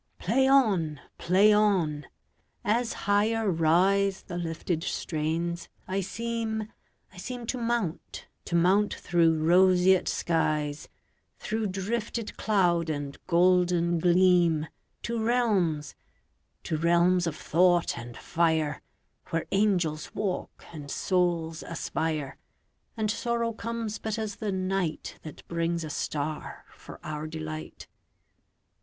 Play on! Play on! As higher riseThe lifted strains, I seem, I seemTo mount, to mount through roseate skies, Through drifted cloud and golden gleam, To realms, to realms of thought and fire, Where angels walk and souls aspire, And sorrow comes but as the nightThat brings a star for our delight.